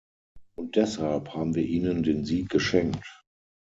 Und deshalb haben wir Ihnen den Sieg geschenkt.